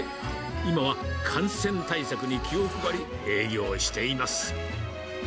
今は感染対策に気を配り営業しています。